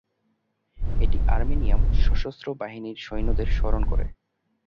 এটি আর্মেনিয়ার সশস্ত্র বাহিনীর সৈন্যদের স্মরণ করে।